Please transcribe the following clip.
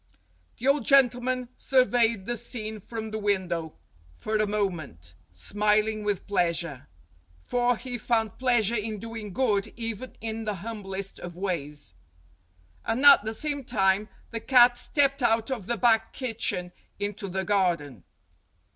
The old gentleman surveyed the scene from the window for a moment, smiling with pleasure; for he found pleasure in doing good even in the humblest of ways. And at the same time the cat stepped out of the back kitchen into the garden.